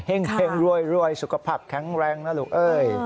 แห่งรวยสุขภาพแข็งแรงนะลูกเอ้ย